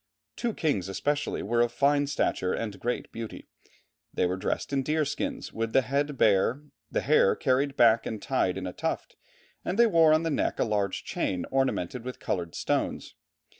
Two kings, especially, were of fine stature and great beauty. They were dressed in deer skins, with the head bare, the hair carried back and tied in a tuft, and they wore on the neck a large chain ornamented with coloured stones.